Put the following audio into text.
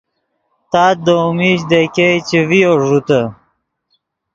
تات دؤ میش دے ګئے چے ڤیو ݱوتے